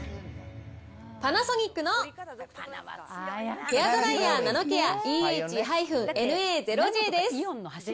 パナソニックのヘアドライヤーナノケアＥＨーＮＡ０Ｊです。